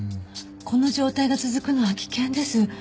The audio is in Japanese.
この状態が続くのは危険です。